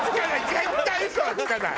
絶対嘘はつかない！